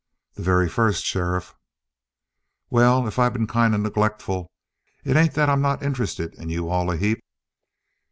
"The very first, sheriff." "Well, if I been kind of neglectful, it ain't that I'm not interested in you all a heap!"